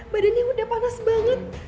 badannya udah panas banget